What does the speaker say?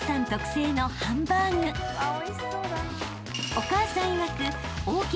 ［お母さんいわく］